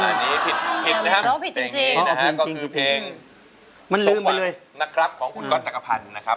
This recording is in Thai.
อันนี้ผิดนะครับเพลงนี้นะครับก็คือเพลงสมหวังนะครับของคุณก๊อตจักรพันธ์นะครับ